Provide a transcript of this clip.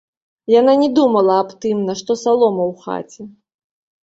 Яна не думала аб тым, нашто салома ў хаце.